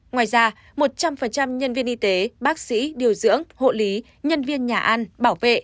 ngoài ra một trăm linh nhân viên y tế bác sĩ điều dưỡng hộ lý nhân viên nhà ăn bảo vệ